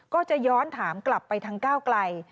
ก็จะย้อนถามกลับไปทางก้าวไกล